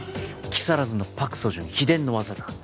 木更津のパク・ソジュン秘伝の技だ。